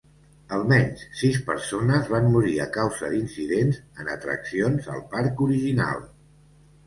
Almenys sis persones van morir a causa d'incidents en atraccions al parc original.